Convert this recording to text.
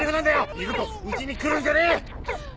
二度とウチに来るんじゃねえ！